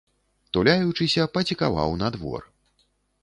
Туляючыся, пацікаваў на двор.